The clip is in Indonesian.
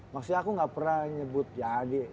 maksudnya aku gak pernah nyebut ya adik